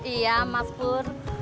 iya mas pur